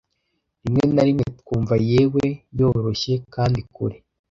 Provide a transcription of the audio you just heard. Rimwe na rimwe twumva yewe, yoroshye kandi kure,